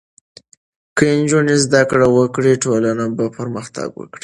که نجونې زدهکړه وکړي، ټولنه به پرمختګ وکړي.